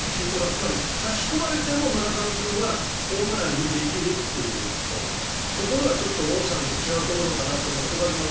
つまり差し込まれても村上君はホームランにできるところが王さんと違うところかなと。